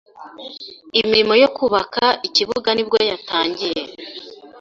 imirimo yo kubaka Ikibuga nibwo yatangiye